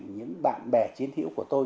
những bạn bè chiến thiểu của tôi